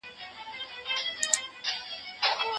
چي راغلی به له بار څخه وو ستړی